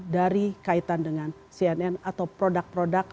dari kaitan dengan cnn atau produk produk